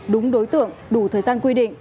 đúng đối tượng đủ thời gian quy định